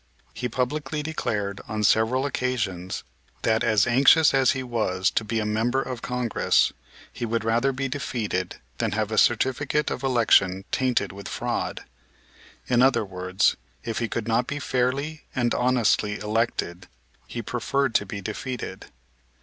He publicly declared on several occasions that, as anxious as he was to be a member of Congress, he would rather be defeated than have a certificate of election tainted with fraud. In other words, if he could not be fairly and honestly elected he preferred to be defeated.